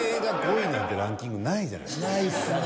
ないっすね。